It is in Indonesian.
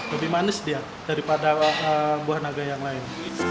lebih manis dia daripada buah naga yang lain